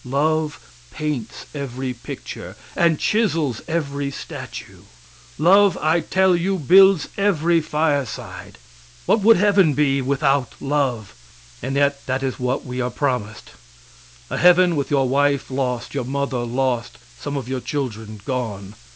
Love paints every picture, and chisels every statue; love, I tell you, builds every fireside. What would heaven be without love? And yet that is what we are promised a heaven with your wife lost, your mother lost, some of your children gone.